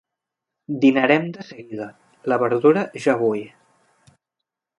Dinarem de seguida: la verdura ja bull.